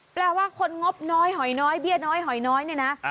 แปลว่าคนงบน้อยหอยน้อยเบี้ยน้อยหอยน้อยเนี่ยนะ